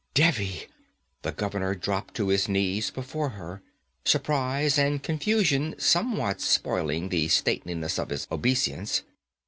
'Devi!' The governor dropped to his knees before her, surprize and confusion somewhat spoiling the stateliness of his obeisance.